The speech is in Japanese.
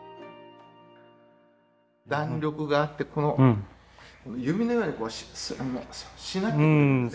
弾力があって弓のようにしなってくるんですね。